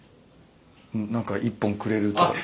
何か１本くれるとか。